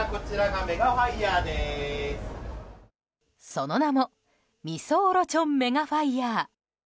その名もみそオロチョンメガファイヤー。